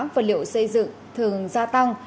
và liệu xây dựng thường gia tăng